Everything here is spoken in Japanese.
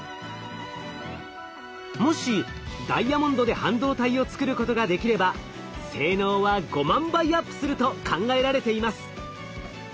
もしダイヤモンドで半導体をつくることができれば性能は５万倍アップすると考えられています。